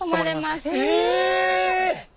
え！